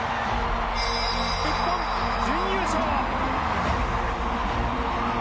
日本、準優勝！